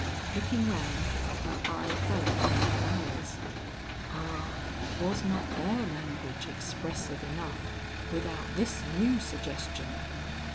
Looking round, her eye fell upon the flowers. Ah, was not their language expressive enough, without this new suggestion?